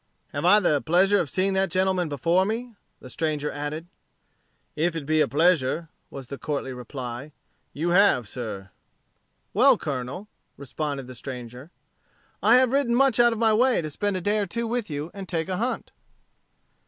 "Have I the pleasure of seeing that gentleman before me?" the stranger added. "If it be a pleasure," was the courtly reply, "you have, sir." "Well, Colonel," responded the stranger, "I have ridden much out of my way to spend a day or two with you, and take a hunt."